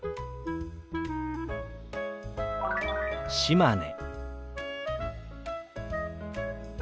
「島根」。